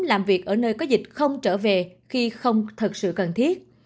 làm việc ở nơi có dịch không trở về khi không thật sự cần thiết